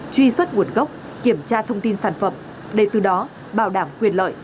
truy xuất nguồn gốc kiểm tra thông tin sản phẩm để từ đó bảo đảm quyền lợi